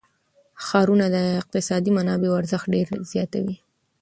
ښارونه د اقتصادي منابعو ارزښت ډېر زیاتوي.